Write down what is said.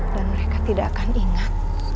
dan mereka tidak akan ingat